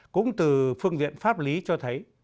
cũng từ phương viện pháp lý cho thấy